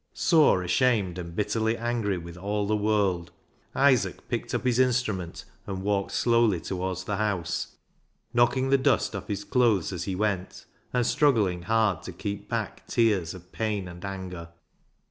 Sore, ashamed, and bitterly angry with all the world, Isaac picked up his instrument and walked slowly towards the house, knocking the dust off his clothes as he went, and struggling hard to keep back tears of pain and anger.